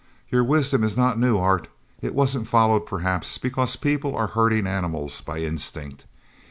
Your wisdom is not new, Art. It wasn't followed perhaps because people are herding animals by instinct.